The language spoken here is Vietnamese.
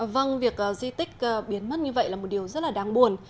vâng việc di tích biến mất như vậy là một điều rất là đáng buồn